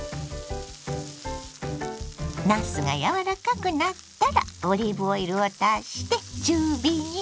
なすが柔らかくなったらオリーブオイルを足して中火に。